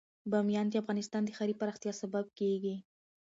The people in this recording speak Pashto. بامیان د افغانستان د ښاري پراختیا سبب کېږي.